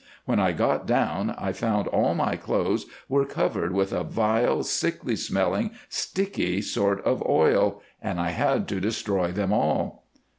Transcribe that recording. When I got down, I found all my clothes were covered with a vile, sickly smelling sticky sort of oil, and I had to destroy them all."